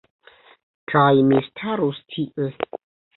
Kaj mi starus tie...